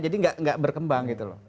jadi nggak berkembang gitu loh